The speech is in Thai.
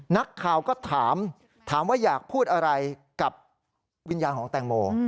นักข่าวก็ถามถามว่าอยากพูดอะไรกับวิญญาณของแตงโม